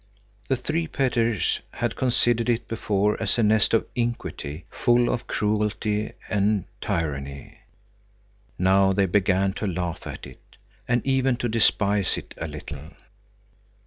The three Petters had considered it before as a nest of iniquity, full of cruelty and tyranny. Now they began to laugh at it, and even to despise it a little.